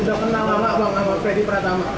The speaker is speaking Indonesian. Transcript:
sudah kenal lama lama redi pratama